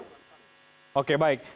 ini kita tampilkan